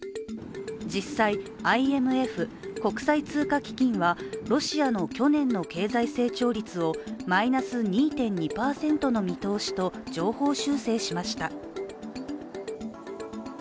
実際、ＩＭＦ＝国際通貨基金はロシアの去年の経済成長率をマイナス２．２％の見通しと上方修正しました。